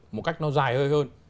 một cách nó dài hơn